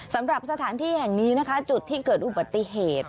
สำหรับสถานที่แห่งนี้นะคะจุดที่เกิดอุบัติเหตุ